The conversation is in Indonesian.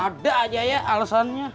ada aja ya alesannya